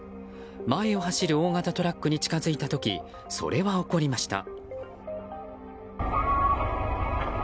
前を走る大型トラックに近づいた時それは起こりました。